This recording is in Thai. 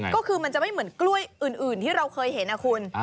ก็คือมันจะไม่เหมือนกล้วยอื่นที่เราเคยเห็นนะคุณ